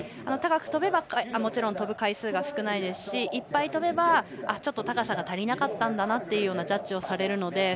高くとべば、もちろんとぶ回数が少ないですしいっぱいとべば高さが足りなかったんだなというジャッジをされるので。